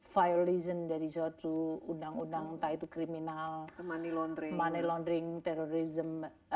violation dari suatu undang undang entah itu criminal money laundering terrorism